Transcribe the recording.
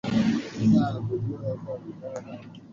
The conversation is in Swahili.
kutokana na ugonjwa wa kipindupindu ambapo habari hii